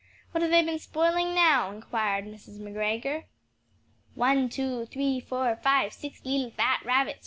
What have they been spoiling now?" enquired Mrs. McGregor. "One, two, three, four, five, six leetle fat rabbits!"